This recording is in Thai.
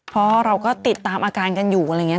เพราะเราก็ติดตามอาการกันอยู่อะไรอย่างนี้